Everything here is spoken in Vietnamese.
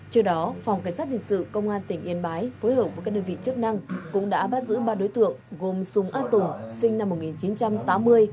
trước đó phòng cảnh sát hình sự công an tỉnh yên bái phối hợp với các đơn vị chức năng cũng đã bắt giữ ba đối tượng gồm sùng a tùng sinh năm một nghìn chín trăm tám mươi